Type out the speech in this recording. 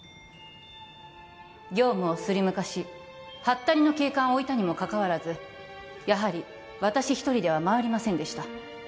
業務をスリム化しはったりの警官を置いたにもかかわらずやはり私一人ではまわりませんでした